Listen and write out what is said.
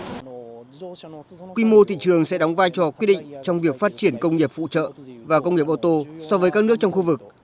tỷ lệ nội địa hóa của ngành ô tô việt nam sẽ đóng vai trò quyết định trong việc phát triển công nghiệp phụ trợ và công nghiệp ô tô so với các nước trong khu vực